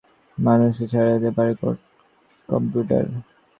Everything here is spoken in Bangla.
এই ঘটনা আলামত দেয় আগামী দিনে বুদ্ধিভিত্তিক বিষয়গুলোতেও মানুষকে ছাড়িয়ে যেতে পারে কম্পিউটার।